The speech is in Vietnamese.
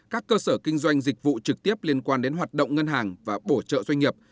các cơ sở kinh doanh dịch vụ trực tiếp liên quan đến hoạt động ngân hàng và bổ trợ doanh nghiệp